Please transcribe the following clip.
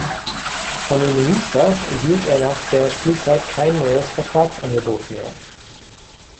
Von den Roosters erhielt er nach der Spielzeit kein neues Vertragsangebot mehr.